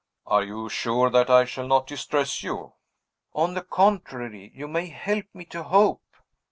"Are you sure that I shall not distress you?" "On the contrary, you may help me to hope."